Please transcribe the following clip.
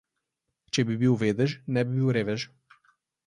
Če bi bil vedež, ne bi bil revež.